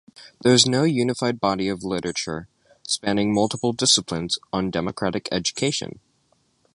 There is no unified body of literature, spanning multiple disciplines, on democratic education.